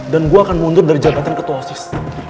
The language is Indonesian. dan gua akan mundur dari jabatan ketua osis